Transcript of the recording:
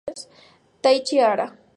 Taichi Hara